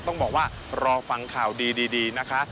ต้องบอกว่ารอฟังข่าวดีนะคะ